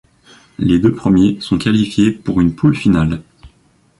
Les deux premiers sont qualifiés pour une poule finale.